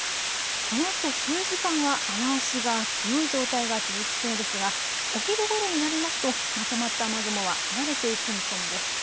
このあと数時間は雨足が強い状態が続きそうですが、お昼ごろになりますとまとまった雨雲は離れていく見込みです。